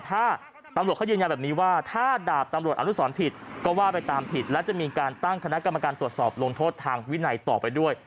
ถ้าตำรวจเขายืนยันแบบนี้ว่าถ้าดาบตำรวจอนุสรผิดก็ว่าไปตามผิดและจะมีการตั้งคณะกรรมการตรวจสอบลงโทษทางวินัยต่อไปด้วย